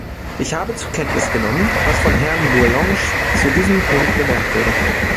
Ich habe zur Kenntnis genommen, was von Herrn Bourlanges zu diesem Punkt bemerkt wurde.